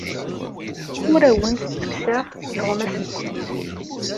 Ur awent-d-ttekkseɣ tuɣmas-nwent.